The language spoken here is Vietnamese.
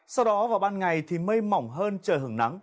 sau đó vào ban ngày thì mây mỏng hơn trời hứng nắng